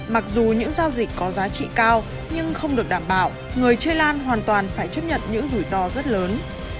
mặc dù những giao dịch có giá trị cao nhưng không được đảm bảo người chơi lan hoàn toàn phải chấp nhận những rủi ro rất lớn